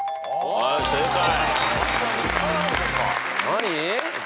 何？